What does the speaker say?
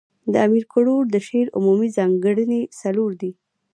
د امیر کروړ د شعر عمومي ځانګړني، څلور دي.